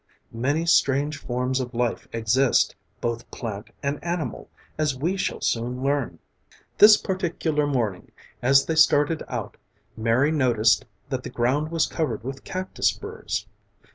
Many strange forms of life exist, both plant and animal, as we shall soon learn. This particular morning as they started out, Mary noticed that the ground was covered with cactus burrs.